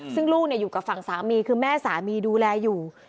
ซึ่งลูกอยู่กับฝั่งสามีคือแม่สามีดูแลอยู่